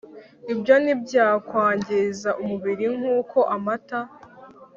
Ibyo ntibyakwangiza umubiri nkuko amata